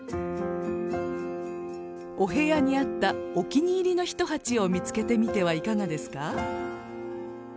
お部屋に合ったお気に入りの一鉢を見つけてみてはいかがですか？